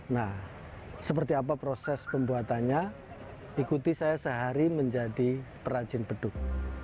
nah seperti apa proses pembuatannya ikuti saya sehari menjadi perajin beduk